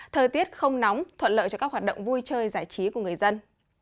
thời tiết không nóng thuận lợi cho các hoạt động vui chơi giải trí của người dân